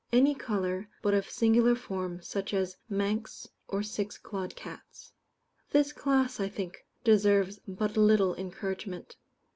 _ Any colour, but of singular form, such as Manx or six clawed cats. This class, I think, deserves but little encouragement.